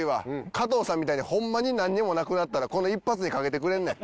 加藤さんみたいにホンマになんにもなくなったらこの一発にかけてくれんねん。